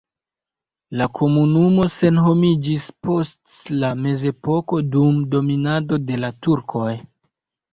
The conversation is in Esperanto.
La komunumo senhomiĝis post la mezepoko dum dominado de la turkoj.